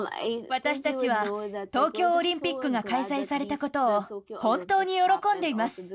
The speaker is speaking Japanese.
私たちは東京オリンピックが開催されたことを本当に喜んでいます。